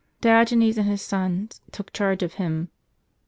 Diogenes and his sons took charge of him.